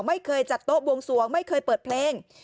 ไม่เคยจัดโต๊ะบวงสวงไม่เคยเปิดเพลง